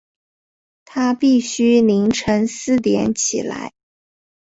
她必须清晨四点起来